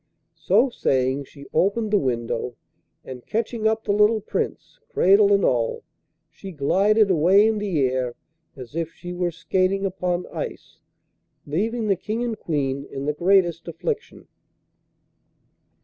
So saying, she opened the window, and catching up the little Prince, cradle and all, she glided away in the air as if she were skating upon ice, leaving the King and Queen in the greatest affliction.